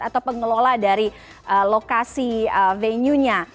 atau pengelola dari lokasi venue nya